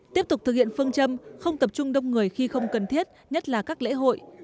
tiếp tục thực hiện phương châm không tập trung đông người khi không cần thiết nhất là các lễ hội